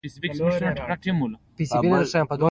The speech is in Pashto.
پر پردیو قوتونو بشپړه تکیه.